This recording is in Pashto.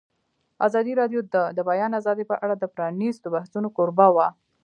ازادي راډیو د د بیان آزادي په اړه د پرانیستو بحثونو کوربه وه.